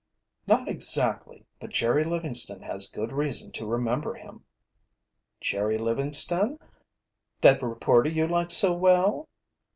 "Not exactly. But Jerry Livingston has good reason to remember him." "Jerry Livingston? That reporter you like so well?"